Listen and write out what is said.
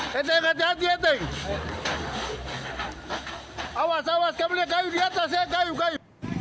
tidak ada korban jiwa dalam peristiwa ini